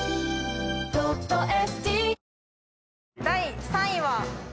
第３位は。